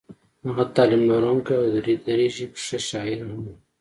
هغه تعلیم لرونکی او د دري ژبې ښه شاعر هم و.